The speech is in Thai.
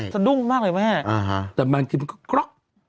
สะดุ้งมากเลยแม่แต่บางทีมันก็กรอก